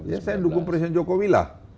ya saya dukung presiden jokowi lah